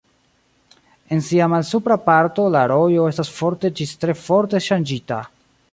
En sia malsupra parto la rojo estas forte ĝis tre forte ŝanĝita.